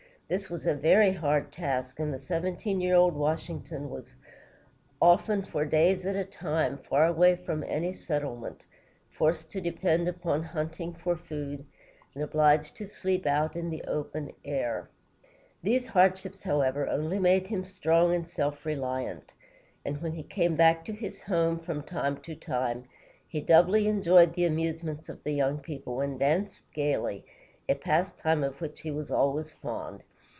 This was a very hard task, and the seventeen year old Washington was often, for days at a time, far away from any settlement, forced to depend upon hunting for food, and obliged to sleep out in the open air. [Illustration: The Virginia Natural Bridge.] These hardships, however, only made him strong and self reliant, and when he came back to his home, from time to time, he doubly enjoyed the amusements of the young people, and danced gayly, a pastime of which he was always fond.